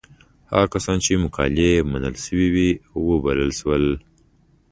هغه کسان چې مقالې یې منل شوې وې وبلل شول.